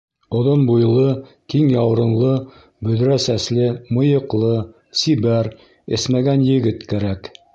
Оҙон буйлы, киң яурынлы, бөҙрә сәсле, мыйыҡлы, сибәр, эсмәгән егет кәрәк!